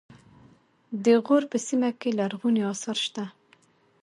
د غور په سیمه کې لرغوني اثار شته